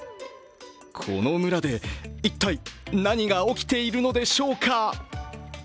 この村で一体何が起きているのでしょうか？